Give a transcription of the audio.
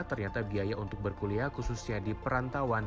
ternyata biaya untuk berkuliah khususnya di perantauan